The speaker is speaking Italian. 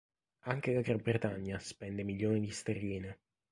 Anche la Gran Bretagna spende milioni di sterline.